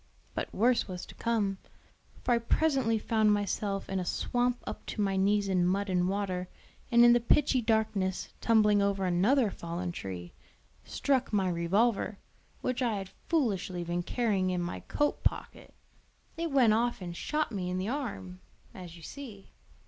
But worse was to come; for I presently found myself in a swamp up to my knees in mud and water, and in the pitchy darkness tumbling over another fallen tree, struck my revolver, which I had foolishly been carrying in my coat pocket: it went off and shot me in the arm, as you see.